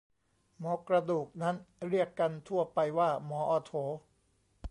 หมอกระดูกนั้น เรียกกันทั่วไปว่าหมอออร์โถ